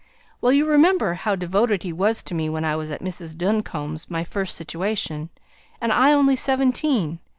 "Well, you remember how devoted he was to me when I was at Mrs. Duncombe's, my first situation, and I only seventeen.